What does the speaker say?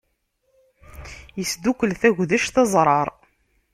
Isdukkel tagdect, aẓrar.